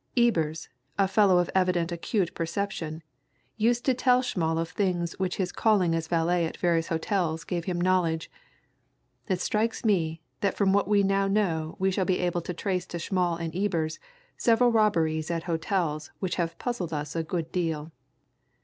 Ebers, a fellow of evident acute perception, used to tell Schmall of things which his calling as valet at various hotels gave him knowledge it strikes me that from what we now know we shall be able to trace to Schmall and Ebers several robberies at hotels which have puzzled us a good deal.